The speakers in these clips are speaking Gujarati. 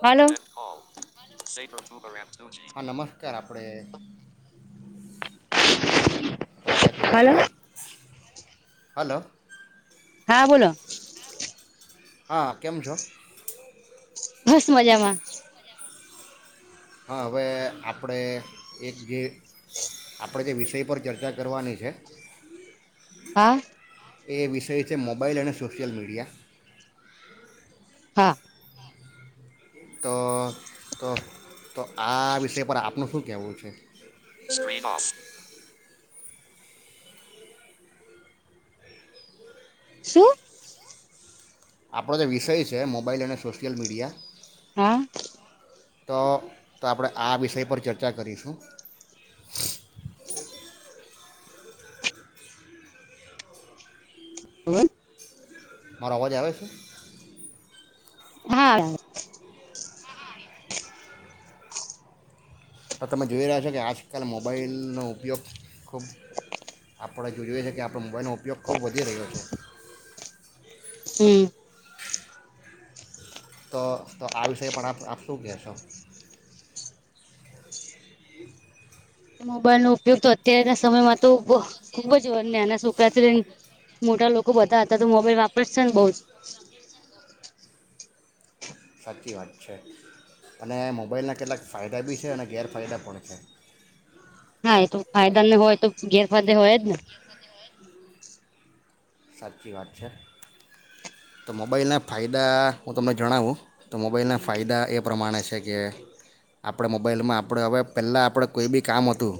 હલો ટકોલ હા નમસ્કાર આપડે પ્રોજેક્ટ હલો માટેે હલો. હા બોલો હા કેમ છો? બસ મજામાં. હા હવે આપણે એક જે આપણે જે વિષય પર ચર્ચા કરવાની છે. હા. એ વિષય છે મોબાઈલ અને સોશિયલ મીડિયા. હા. તો-તો તો આ વિષય પર આપનું શું કહેવું છે. શું? આપણો જે વિષય છે મોબાઈલ અને સોશિયલ મીડિયા. હા. તો તો આપણે આ વિષય પર ચર્ચા કરીશું? [unintelligible] [unintelligible] મારો અવાજ આવે છે. હા. તો તમે જોઈ રહ્યા છો કે આજકાલ મોબાઈલનો ઉપયોગ ખૂબ આપણે જો જોઈએ છે કે તો મુંબાઈલનો ઉપયોગ ખૂબ વધી રહ્યો છે. હમ. તો તો આ વિષય પણ આપ આપ શું કહેશો? [unintelligible] મોબાઈલ નો ઉપયોગ તો અત્યારના સમયમાં તો ખુબ જ નાના છોકરાથી મોટા લોકો બધા હતા તો મોબાઈલ વાપરશે ને બહુ જ સાચી વાત છે, અને મોબાઈલના કેટલાક ફાયદા બી છે અને ગેરફાયદા પણ છે. હા એ તો ફાયદાને હોય તો ગેરફાયદે હોય જ ને સાચી વાત છે, તો મોબાઈલના ફાયદા હું તમને જણાવું તો મોબાઈલના ફાયદા એ પ્રમાણે છે કે આપણે મોબાઈલમાં આપણે હવે પહેલાં આપણે કોઈ બી કામ હતું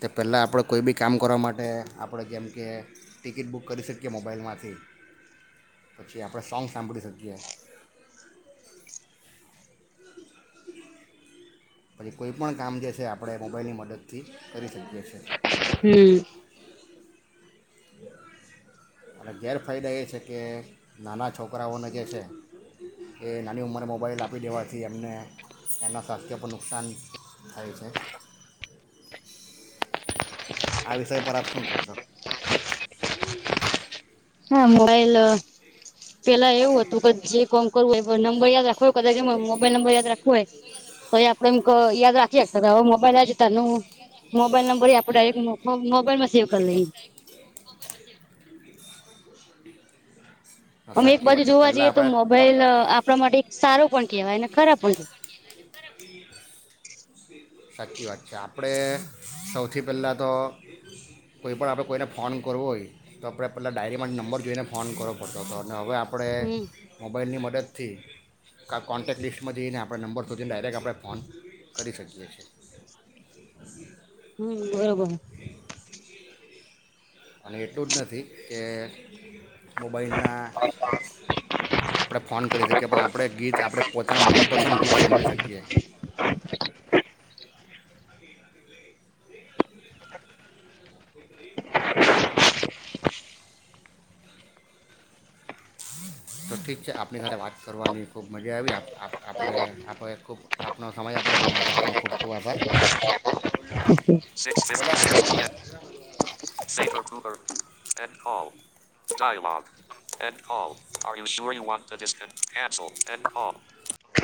તે પહેલાં આપણે કોઈ બી કામ કરવા માટે આપણે જેમ કે ટિકિટ બુક કરી શકીએ મોબાઈલમાંથી પછી આપણે સોંગ સાંભળી શકીએ. પછી કોઈ પણણ કામ જે છે આપણે મોબાઈલની મદદથી કરી શકીએ છીએ. હમ્મ. અને ગેરફાયદા એ છે કે નાના છોકરાઓને જે છે એ નાની ઉંમરે મોબાઈલ આપી દેવાથી એમને એમના સ્વાસ્થ્ય પર નુકસાન થાય છે. આ વિષય પર આપ શું કે સો? હા મોબાઈલ પેલા એવું હતું ક જે કોમ કરવું એ નંબર યાદ રાખવ હોય કદાચ એ મોબાઈલ નંબર યાદ રાખવું હોય તો એ આપડે એમ યાદ રાખીએ હવે મોબાઈલ તનું મોબાઈલ નંબર આપણે ડાયરેક્ટ મોબાઈલમાં સેવ કરી લઈએ. અમે એક સાચી વાત બાજુ છે જોવા પહેલાં જઈએ તો આપણે મોબાઈલ આપણા માટે એક સારો પણ કેહેવાય ને ખરાબ પણ [unintelligible] સાચી વાત છે, આપણે સૌથી પહેલાં તો કોઈ પણ આપણે કોઈને ફોન કરવો હોય, તો આપણે પહેલાં ડાયરીમાંથી નંબર જોઈને ફોન કરો ફતો હતો અને હવે આપણે કહેવાય. હમ. આપણે મોબાઈલની મદ મદદથી કોન્ટેક્ટ લિસ્ટમાંથીઈને આપણે નંબર શોધી ડાયરેક આપ આપણે ફોન કરી શકીએ છીએ. હમ, બરોબર. અને એટલું જ નથી. કે. મોબાઈલના આપણે ફોન કરી શકીએ, પણ આપણે ગીત આપણે પોતાના મનપસંદ ગીત સાંભળી શકીએ. [inaudible] [unintelligible] તો ઠીક છે, આપની સાથે વાત કરવાની ખૂબ મજા આવી. આપ આપડે આપડે ખૂબ. આપનો સમય આપ્યો એના માટે આપનો ખૂબ ખૂબ આભાર. [unintelligible] [unintelligible] [unintelligible]